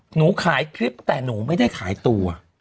หนูขายคลิปแต่หนูไม่ได้ขายตัว